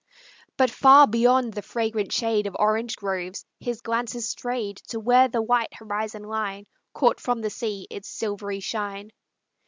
But far beyond the fragrant shade Of orange groves his glances strayed To where the white horizon line Caught from the sea its silvery shine.